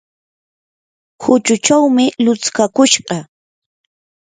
huchuchawmi lutskakushqa.